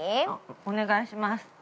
◆お願いします。